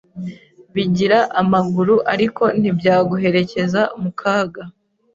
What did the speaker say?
bigira amaguru ariko ntibyaguherekeza mu kaga,